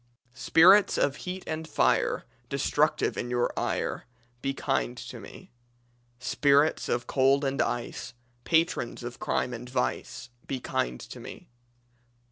"Spirits of heat and fire, Destructive in your ire, Be kind to me. "Spirits of cold and ice, Patrons of crime and vice, Be kind to me.